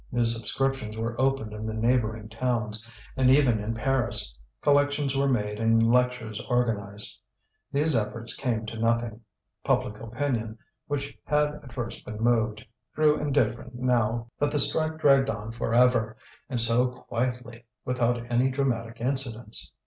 New subscriptions were opened in the neighbouring towns, and even in Paris; collections were made and lectures organized. These efforts came to nothing. Public opinion, which had at first been moved, grew indifferent now that the strike dragged on for ever, and so quietly, without any dramatic incidents.